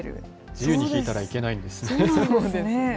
自由に弾いたらいけないんですね。